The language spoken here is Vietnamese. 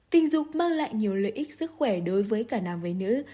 tình dục mang lại nhiều lợi ích sức khỏe đối với cả nam với nữ